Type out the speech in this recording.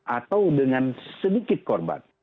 atau dengan sedikit korban